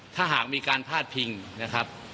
ถ้าหากมีการพาดพิงนะครับ